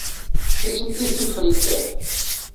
کسی تیسرے فریق پہ۔